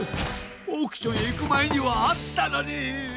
オークションへいくまえにはあったのに！